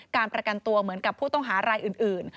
การประกันตัวเหมือนกับผู้ต้องหารายอื่น